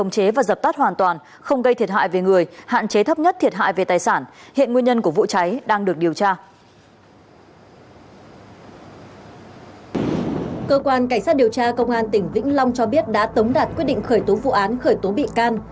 cơ quan cảnh sát điều tra công an tỉnh vĩnh long cho biết đã tống đạt quyết định khởi tố vụ án khởi tố bị can